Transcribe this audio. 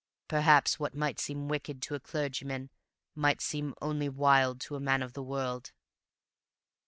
"Perhaps what might seem wicked to a clergyman might seem only wild to a man of the world."